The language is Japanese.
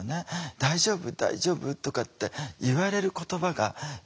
「大丈夫？大丈夫？」とかって言われる言葉が「え？